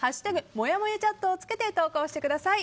「＃もやもやチャット」をつけて投稿してください。